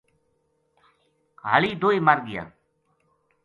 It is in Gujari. ہالی دوئے مرگیا